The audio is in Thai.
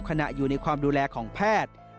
ขณะอยู่ในความดูแลของแพทย์